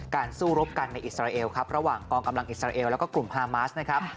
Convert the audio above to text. สู้รบกันในอิสราเอลครับระหว่างกองกำลังอิสราเอลแล้วก็กลุ่มฮามาสนะครับ